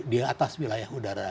di atas wilayah udara